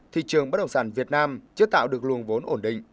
thị trường bất động sản việt nam chưa tạo được luồng vốn ổn định